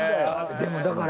でもだから。